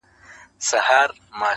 په پسته ژبه دي تل يم نازولى!!